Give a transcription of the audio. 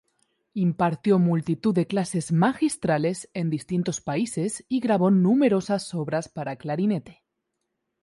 Impartió multitud de clases magistrales en distintos países y grabó numerosas obras para clarinete.